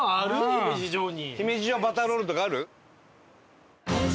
姫路城に。